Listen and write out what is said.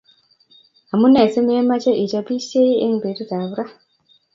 Amune si memache ichopisie eng petutap ra